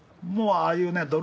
もうああいうね